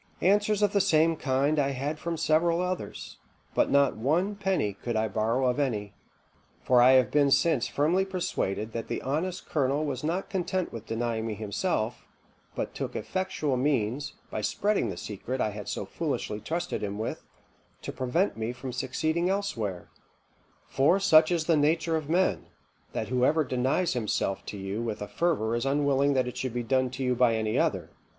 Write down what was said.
"Answers of the same kind I had from several others, but not one penny could I borrow of any; for I have been since firmly persuaded that the honest colonel was not content with denying me himself, but took effectual means, by spreading the secret I had so foolishly trusted him with, to prevent me from succeeding elsewhere; for such is the nature of men, that whoever denies himself to do you a favour is unwilling that it should be done to you by any other.